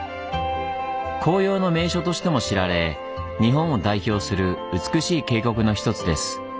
紅葉の名所としても知られ日本を代表する美しい渓谷の一つです。